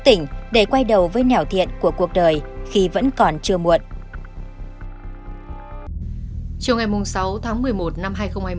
tỉnh để quay đầu với nẻo thiện của cuộc đời khi vẫn còn chưa muộn trong ngày mùng sáu tháng một mươi một năm